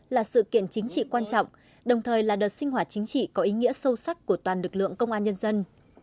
là sự kiện chính trị quan trọng đồng thời là đợt sinh hoạt chính trị có ý nghĩa sâu sắc của toàn lực lượng công an nhân dân